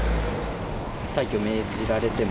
退去を命じられても？